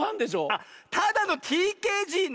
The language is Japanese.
あっただのＴＫＧね。